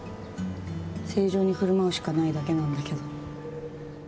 正常にふるまうしかないだけなんだけど。